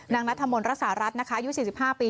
นางนัทธรรมน์รัษารัฐนะคะยุค๔๕ปี